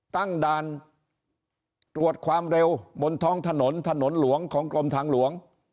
ตั้งด่านตรวจความเร็วบนท้องถนนถนนหลวงของกรมทางหลวง